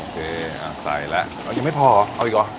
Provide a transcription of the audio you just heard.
โอเคอ่าใส่แล้วอ่ะยังไม่พอหรอเอาอีกหรอ